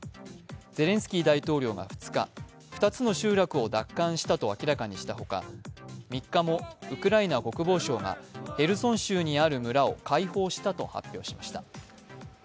ゼレンスキー大統領が２日、２つの集落を奪還したと明らかにしたほか、３日もウクライナ国防相がヘルソン州にある村を解放したと発表しました。